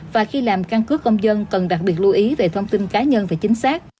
và khi làm căn cứ công dân cần đặc biệt lưu ý về thông tin cá nhân và chính xác